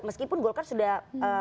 meskipun golkar sudah mencaburkan